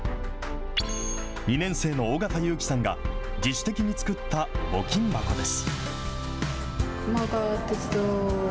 ２年生の尾方優姫さんが自主的に作った募金箱です。